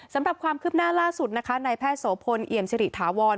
สำหรับความคืบหน้าล่าสุดนะคะในแพทย์โสพลเอี่ยมสิริถาวร